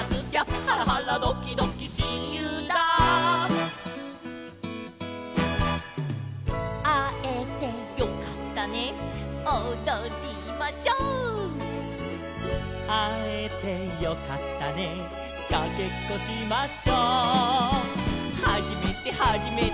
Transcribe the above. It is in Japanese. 「ハラハラドキドキしんゆうだ」「あえてよかったねおどりましょう」「あえてよかったねかけっこしましょ」「はじめてはじめて」